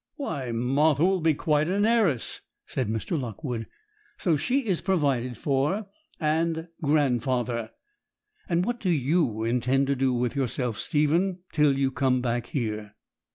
'Why, Martha will be quite an heiress!' said Mr. Lockwood. 'So she is provided for, and grandfather. And what do you intend to do with yourself, Stephen, till you come back here?'